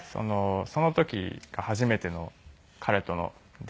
その時が初めての彼との出会いで。